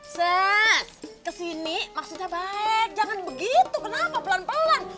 set kesini maksudnya baik jangan begitu kenapa pelan pelan